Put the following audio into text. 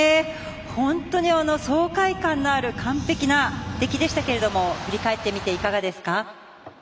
本当に爽快感のある完璧な出来でしたけれども振り返ってみていかがですか？